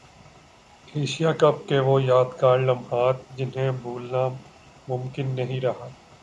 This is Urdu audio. ایشیا کپ کے وہ یادگار لمحات جنہیں بھلانا ممکن نہیں رہا